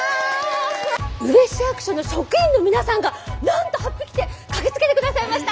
宇部市役所の職員の皆さんがなんとはっぴ着て駆けつけてくださいました。